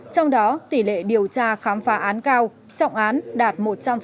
trong đó tỷ lệ điều tra khám phá án cao trọng án đạt một trăm linh